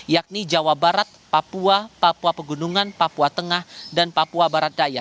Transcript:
yakni jawa barat papua papua pegunungan papua tengah dan papua barat daya